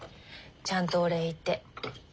ちゃんとお礼言って。